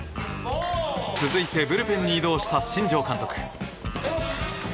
続いてブルペンに移動した新庄監督。